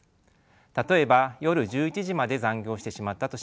例えば夜１１時まで残業してしまったとします。